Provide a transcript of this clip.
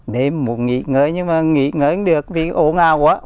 đêm một nghỉ ngơi nhưng mà nghỉ ngơi không được vì ồn ào quá